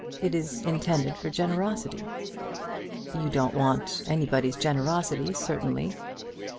It is intended for generosity." "You don't want anybody's generosity, certainly."